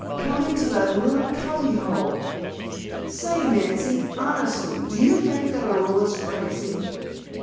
"Coming to that little cubby hole! Say, Nancy, honestly, do you think that Orilla's crazy?"